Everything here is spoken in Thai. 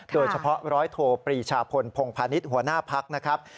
โดยเฉพาะร้อยโทปรีชาพลพงพาณิชย์หัวหน้าพักนะครับ